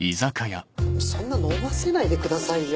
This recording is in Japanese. そんな飲ませないでくださいよ。